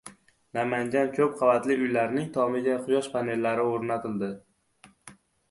Namangan: ko‘p qavatli uylarning tomiga quyosh panellari o‘rnatildi